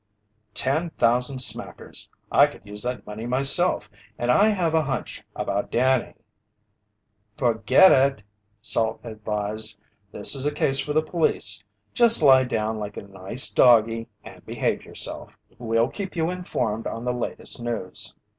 "Ten thousand smackers! I could use that money myself. And I have a hunch about Danny " "Forget it," Salt advised. "This is a case for the police. Just lie down like a nice doggy and behave yourself. We'll keep you informed on the latest news."